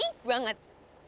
tadi aja kamu nunggu